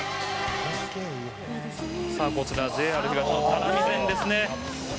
「さあこちらＪＲ東日本只見線ですね」